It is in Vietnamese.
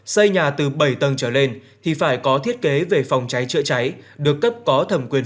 xây nhà từ bảy tầng trở lên thì phải có thiết kế về phòng cháy chữa cháy được cấp có thẩm quyền